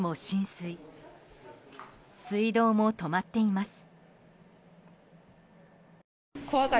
水道も止まっています。